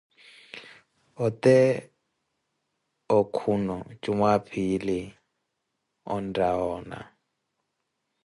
Ote okhuno jumwaa-phiili ontta woona!